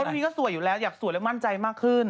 เพราะวันนี้ก็สวยอยู่แล้วอยากสวยแล้วมั่นใจมากขึ้น